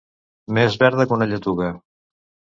Més verda que una lletuga.